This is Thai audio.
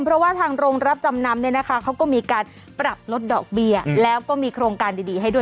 เพราะว่าทางโรงรับจำนำเนี่ยนะคะเขาก็มีการปรับลดดอกเบี้ยแล้วก็มีโครงการดีให้ด้วย